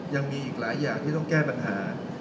ยังมีอีกหลายอย่างที่ต้องแก้ปัญหา